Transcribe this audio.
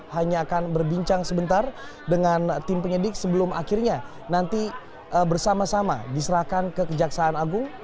hanya akan berbincang sebentar dengan tim penyidik sebelum akhirnya nanti bersama sama diserahkan ke kejaksaan agung